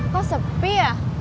kok sepi ya